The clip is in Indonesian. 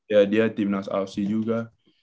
ya dia timnas ausi juga